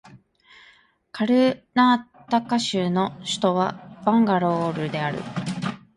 カルナータカ州の州都はバンガロールである